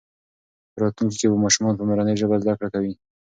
په راتلونکي کې به ماشومان په مورنۍ ژبه زده کړه کوي.